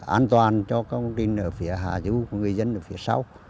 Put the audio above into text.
an toàn cho công trình ở phía hạ lưu người dân ở phía sau